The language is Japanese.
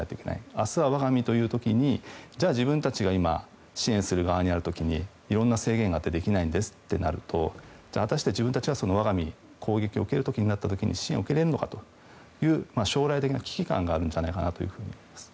明日は我が身という時にじゃあ自分たちが今、支援する側になる時にいろんな制限があってできないんですとなると果たして、自分たちは我が身攻撃に受けるときになった時に支援を受けられるのかという将来的な危機感があるんじゃないかなと思います。